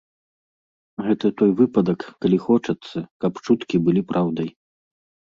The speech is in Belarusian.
Гэта той выпадак, калі хочацца, каб чуткі былі праўдай.